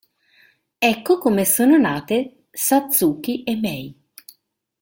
Ecco come sono nate Satsuki e Mei.